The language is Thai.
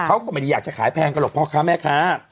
เขาก็ไม่ได้อยากจะขายแพงก็หรอกพ่อค้าแม่ค้า